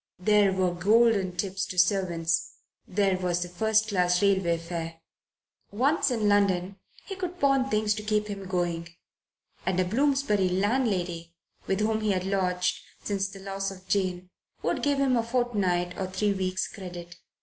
There were golden tips to servants, there was the first class railway fare. Once in London he could pawn things to keep him going, and a Bloomsbury landlady with whom he had lodged, since the loss of Jane, would give him a fortnight or three weeks' credit.